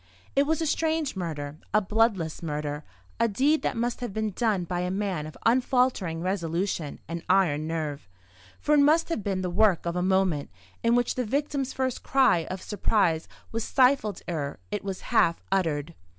It was a strange murder, a bloodless murder; a deed that must have been done by a man of unfaltering resolution and iron nerve: for it must have been the work of a moment, in which the victim's first cry of surprise was stifled ere it was half uttered.